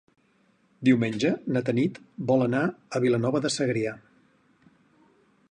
Diumenge na Tanit vol anar a Vilanova de Segrià.